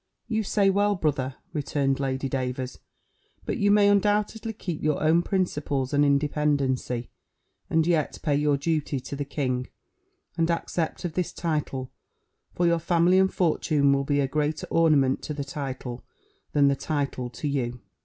"You say well, brother," returned Lady Davers; "but you may undoubtedly keep your own principles and independency, and yet pay your duty to the king, and accept of this title; for your family and fortune will be a greater ornament to the title, than the title to you."